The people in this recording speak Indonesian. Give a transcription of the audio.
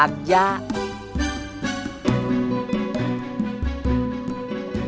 orangnya teh ganteng